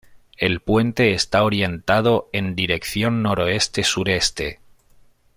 El puente está orientado en dirección noroeste-sureste.